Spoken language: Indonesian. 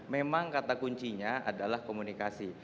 memang kata kuncinya adalah komunikasi